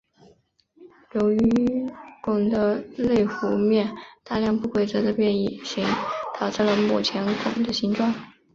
由于拱的内弧面大量不规则的变形导致了目前拱的形状。